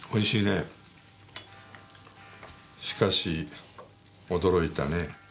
しかし驚いたね。